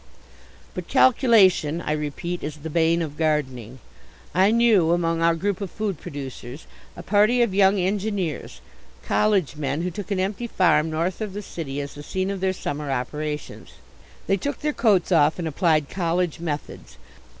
But calculation, I repeat, is the bane of gardening. I knew, among our group of food producers, a party of young engineers, college men, who took an empty farm north of the city as the scene of their summer operations. They took their coats off and applied college methods.